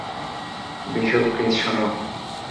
Bishu, please শোন।